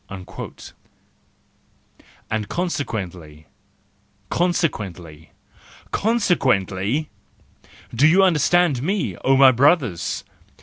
"—And consequently ! Conse¬ quently ! Consequently! Do you understand me, oh my brothers?